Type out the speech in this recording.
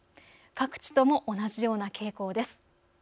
各地とも同じような傾向です。